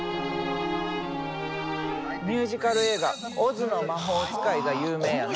ミュージカル映画「オズの魔法使」が有名やな。